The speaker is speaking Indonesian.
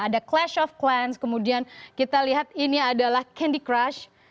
ada class of clans kemudian kita lihat ini adalah candy crush